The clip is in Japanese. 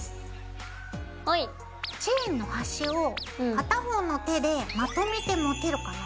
チェーンのはしを片方の手でまとめて持てるかな？